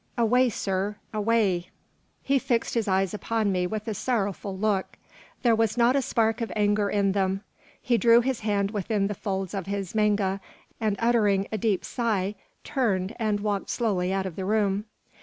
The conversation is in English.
Away, sir, away!" He fixed his eyes upon me with a sorrowful look. There was not a spark of anger in them. He drew his hand within the folds of his manga, and uttering a deep sigh, turned and walked slowly out of the room.